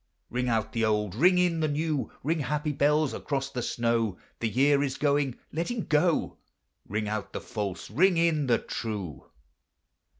Ring out the old, ring in the new — Ring, happy bells, across the snow: The year is going, let him go; Ring out the false, ring in the true.